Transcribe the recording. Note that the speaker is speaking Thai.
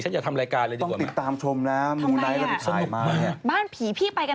ฉันอยากทำรายการเลยดีกว่าไหมครับทำไงล่ะบ้านผีพี่ไปกันแล้วหรือเปล่า